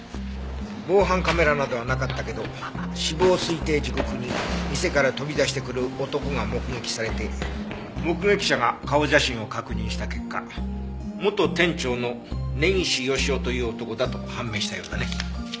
防犯カメラなどはなかったけど死亡推定時刻に店から飛び出してくる男が目撃されて目撃者が顔写真を確認した結果元店長の根岸義雄という男だと判明したようだね。